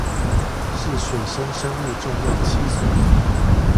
是水生生物重要棲所